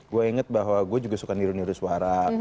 gue inget bahwa gue juga suka niru niru suara